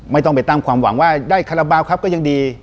ไม่ต้องไปตั้งความหวังว่าได้คาราบาลครับก็ยังดี